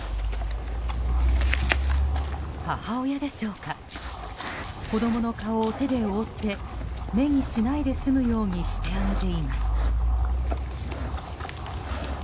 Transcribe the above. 母親でしょうか子供の顔を手で覆って目にしないで済むようにしてあげています。